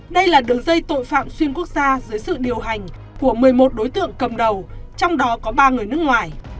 đây là đường dây tội phạm xuyên quốc gia dưới sự điều hành của một mươi một đối tượng cầm đầu trong đó có ba người nước ngoài